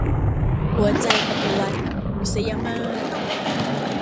หัวใจปฏิวัติ - บุษยมาส